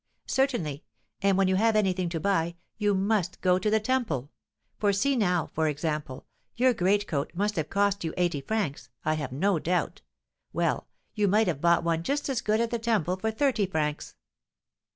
"Certainly. And, when you have anything to buy, you must go to the Temple; for see now, for example, your greatcoat must have cost you eighty francs, I have no doubt; well, you might have bought one just as good at the Temple for thirty francs."